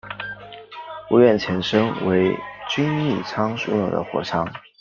屋苑前身为均益仓拥有的货仓。